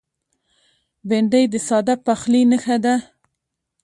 بېنډۍ د ساده پخلي نښه ده